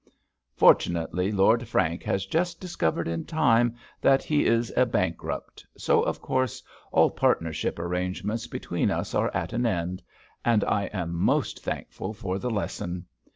Fortunately, Lord Frank has just discovered in time that he is a bankrupt, so of course all partnership arrangements between us are at an end, and I am most thankful for the lesson.